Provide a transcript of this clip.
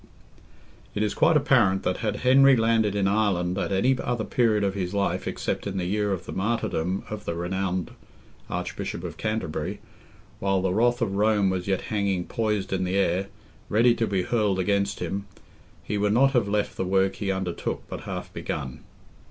It is quite apparent that had Henry landed in Ireland at any other period of his life except in the year of the martyrdom of the renowned Archbishop of Canterbury, while the wrath of Rome was yet hanging poised in the air, ready to be hurled against him, he would not have left the work he undertook but half begun.